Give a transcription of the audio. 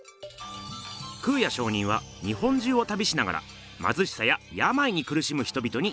空也上人は日本中をたびしながらまずしさややまいにくるしむ人々によりそいます。